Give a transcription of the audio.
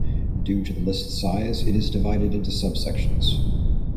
Due to the list's size, it is divided into subsections.